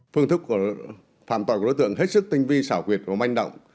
phương thức phạm tội của đối tượng hết sức tinh vi xảo quyệt và manh động